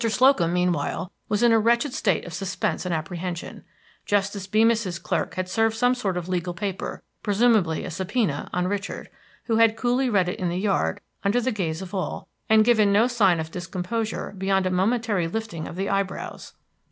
Slocum, meanwhile, was in a wretched state of suspense and apprehension. Justice Beemis's clerk had served some sort of legal paper presumably a subpoena on Richard, who had coolly read it in the yard under the gaze of all, and given no sign of discomposure beyond a momentary lifting of the eyebrows.